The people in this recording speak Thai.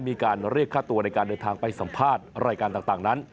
มีการเรียกค่าตัวในการเดินทางไปสัมภาษณ์รายการต่างนั้น